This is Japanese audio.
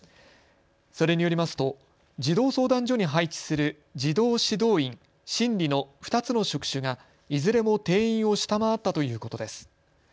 それによりますと児童相談所に配置する児童指導員、心理の２つの職種がいずれも定員を下回ったということです。